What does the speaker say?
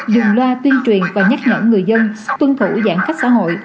đừng loa tuyên truyền và nhắc nhẫn người dân tuân thủ giãn cách xã hội